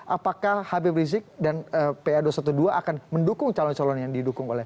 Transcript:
apakah habib rizik dan pa dua ratus dua belas akan mendukung calon calon yang didukung oleh